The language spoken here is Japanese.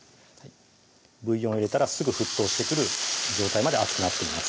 ブイヨンを入れたらすぐ沸騰してくる状態まで熱くなっています